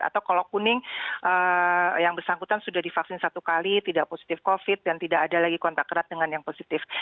atau kalau kuning yang bersangkutan sudah divaksin satu kali tidak positif covid dan tidak ada lagi kontak erat dengan yang positif